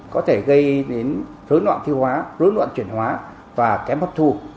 có thể gây đến thối loạn tiêu hóa rối loạn chuyển hóa và kém hấp thu